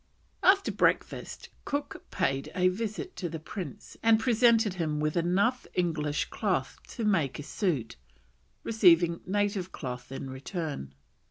" After breakfast Cook paid a visit to the prince and presented him was enough English cloth to make a suit, receiving native cloth in return.